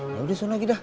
yaudah sunuh lagi dah